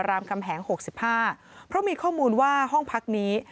รามคำแหง๖๕เพราะมีข้อมูลว่าห้องพักนี้